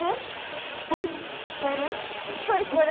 聞こえる？